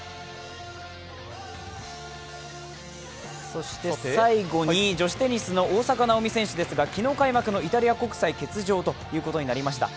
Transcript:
そして最後に女子テニスの大坂なおみ選手ですが昨日開幕のイタリア国際欠場となりました。